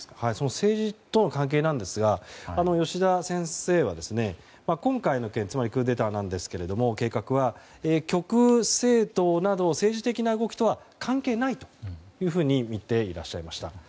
政治との関係ですが吉田先生は今回のクーデター計画は極右政党など政治的な動きとは関係ないとみていらっしゃいました。